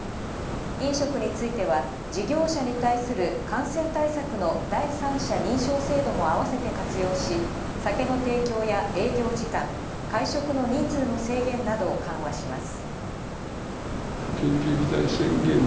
飲食については、事業者に対する感染対策の第三者認証制度もあわせて活用し酒の提供や営業時間、会食の人数の制限などを緩和します。